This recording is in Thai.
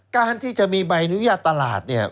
การที่จะมีใบอนุญาตตลาด